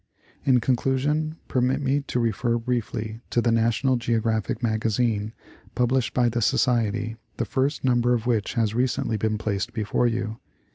In conclusion permit me to refer briefly to the "National Geographic Magazine," published by the Society, the first number of which has recently been placed before you.